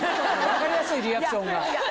分かりやすいリアクションが。